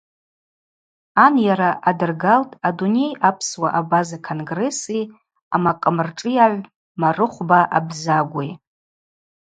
Анйара адыргалтӏ Адуней апсуа-абаза конгресси амакъымршӏыйагӏв Марыхвба Абзагви.